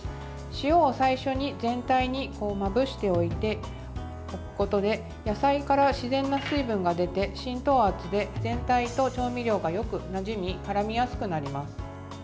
塩を最初に全体にまぶしておくことで野菜から自然な水分が出て浸透圧で全体と調味料がよくなじみからみやすくなります。